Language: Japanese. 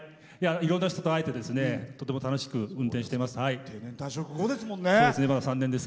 いろんな人と会えてとても楽しく運転してます。